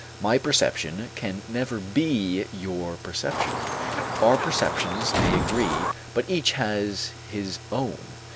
My perception can never be your perception. Our perceptions may agree but each has his own.